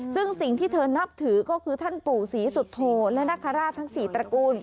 ซึ่งสิ่งที่เธอนับถือก็คือท่านปู่ศรีสุโธและนคราชทั้ง๔ตระกูล